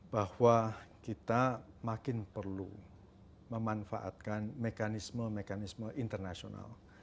bahwa kita makin perlu memanfaatkan mekanisme mekanisme internasional